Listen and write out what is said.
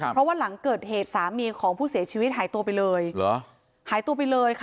เพราะว่าหลังเกิดเหตุสามีของผู้เสียชีวิตหายตัวไปเลย